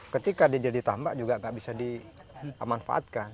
ketika dia ditambak juga tidak bisa dimanfaatkan